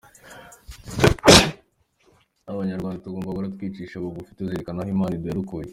Abanyarwanda tugomba guhora twicisha bugufi, tuzirikana aho Imana yadukuye.